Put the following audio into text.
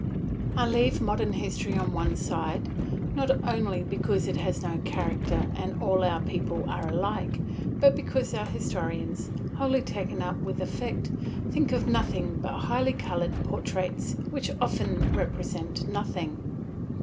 I leave modern history on one side, not only because it has no character and all our people are alike, but because our historians, wholly taken up with effect, think of nothing but highly coloured portraits, which often represent nothing.